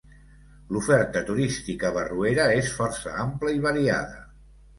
L'oferta turística a Barruera és força ampla i variada.